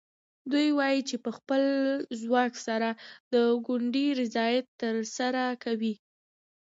دوی وایي چې په خپل ځواک سره د کونډې رضایت ترلاسه کوي.